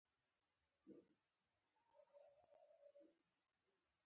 د افغان ماشومان د غیرت په ښونځي کې روزل کېږي.